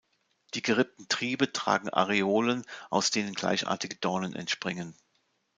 Die gerippten Triebe tragen Areolen aus denen gleichartige Dornen entspringen.